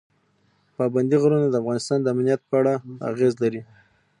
پابندي غرونه د افغانستان د امنیت په اړه اغېز لري.